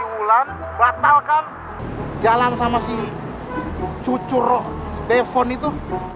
si wulan batal kan jalan sama si cucurro si depon itu